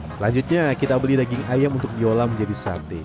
selanjutnya kita beli daging ayam untuk diolah menjadi sate